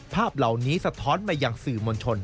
ภาพเหล่านี้สะท้อนมาอย่างสื่อมวลชน